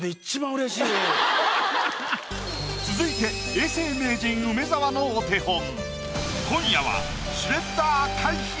続いて永世名人梅沢のお手本。